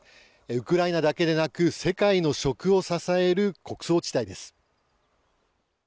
ウクライナだけでなく世界の食を支える穀倉地帯です。